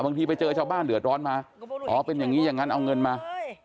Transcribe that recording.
บางทีไปเจอชาวบ้านเดือดร้อนมาอ๋อเป็นอย่างนี้อย่างนั้นเอาเงินมา